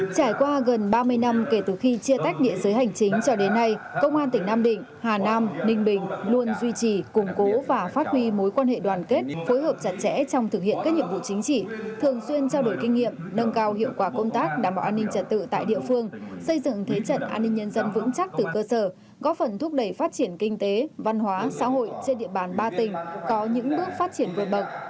trải qua gần ba mươi năm kể từ khi chia tách nghĩa giới hành chính cho đến nay công an tỉnh nam định hà nam ninh bình luôn duy trì củng cố và phát huy mối quan hệ đoàn kết phối hợp chặt chẽ trong thực hiện các nhiệm vụ chính trị thường xuyên trao đổi kinh nghiệm nâng cao hiệu quả công tác đảm bảo an ninh trật tự tại địa phương xây dựng thế trận an ninh nhân dân vững chắc từ cơ sở góp phần thúc đẩy phát triển kinh tế văn hóa xã hội trên địa bàn ba tỉnh có những bước phát triển vượt bậc